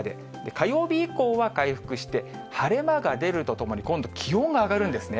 火曜日以降は回復して、晴れ間が出るとともに今度、気温が上がるんですね。